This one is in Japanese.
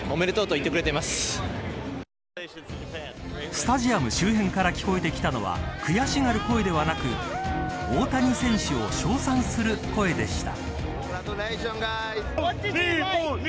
スタジアム周辺から聞こえてきたのは悔しがる声ではなく大谷選手を称賛する声でした。